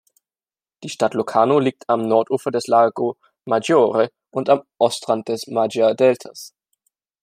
Die Stadt Locarno liegt am Nordufer des Lago Maggiore und am Ostrand des Maggia-Deltas.